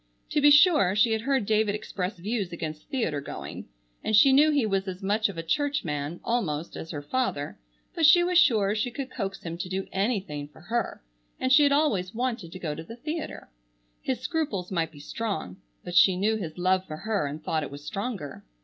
To be sure, she had heard David express views against theatre going, and she knew he was as much of a church man, almost, as her father, but she was sure she could coax him to do anything for her, and she had always wanted to go to the theatre. His scruples might be strong, but she knew his love for her, and thought it was stronger.